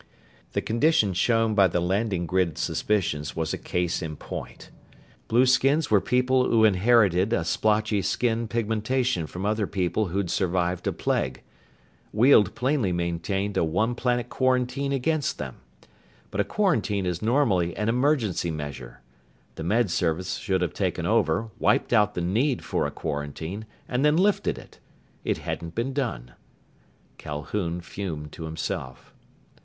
The condition shown by the landing grid suspicions was a case in point. Blueskins were people who inherited a splotchy skin pigmentation from other people who'd survived a plague. Weald plainly maintained a one planet quarantine against them. But a quarantine is normally an emergency measure. The Med Service should have taken over, wiped out the need for a quarantine, and then lifted it. It hadn't been done. Calhoun fumed to himself.